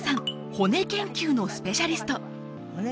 骨研究のスペシャリスト